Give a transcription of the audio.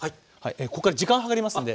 こっから時間計りますんで。